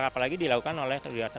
apalagi dilakukan oleh kelihatan